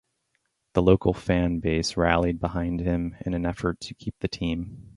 The local fan base rallied behind him in an effort to keep the team.